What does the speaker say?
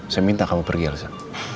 saya minta kamu pergi reza